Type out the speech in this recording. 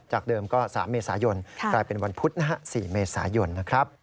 เดิมก็๓เมษายนกลายเป็นวันพุธนะฮะ๔เมษายนนะครับ